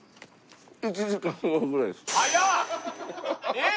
えっ！？